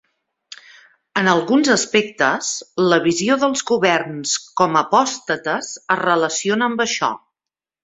En alguns aspectes, la visió dels governs com apòstates es relaciona amb això.